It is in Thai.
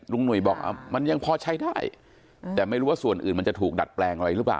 หนุ่ยบอกมันยังพอใช้ได้แต่ไม่รู้ว่าส่วนอื่นมันจะถูกดัดแปลงอะไรหรือเปล่า